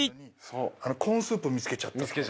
コーンスープ見つけちゃったとか。